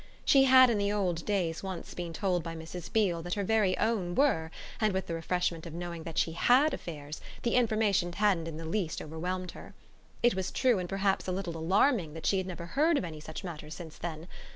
She had in the old days once been told by Mrs. Beale that her very own were, and with the refreshment of knowing that she HAD affairs the information hadn't in the least overwhelmed her. It was true and perhaps a little alarming that she had never heard of any such matters since then.